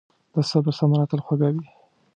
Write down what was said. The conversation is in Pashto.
د صبر ثمره تل خوږه وي.